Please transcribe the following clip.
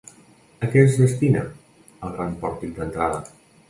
A què es destina el gran pòrtic d'entrada?